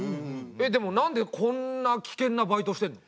でもなんでこんな危険なバイトしてんの？